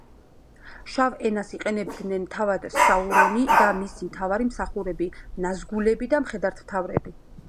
შავ ენას იყენებდნენ თავად საურონი და მისი მთავარი მსახურები: ნაზგულები და მხედართმთავრები.